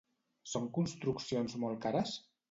Són construccions molt cares?